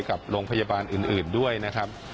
กับโรงพยาบาลอื่นด้วยนะครับ